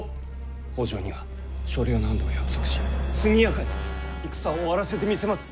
北条には所領の安堵を約束し速やかに戦を終わらせてみせます！